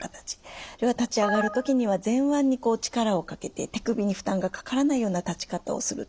あるいは立ち上がる時には前腕にこう力をかけて手首に負担がかからないような立ち方をする。